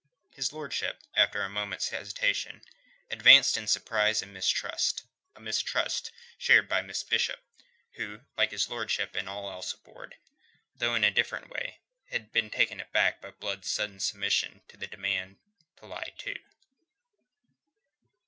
His lordship, after a moment's hesitation, advanced in surprise and mistrust a mistrust shared by Miss Bishop, who, like his lordship and all else aboard, though in a different way, had been taken aback by Blood's sudden submission to the demand to lie to.